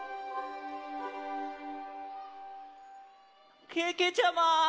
けけちゃま！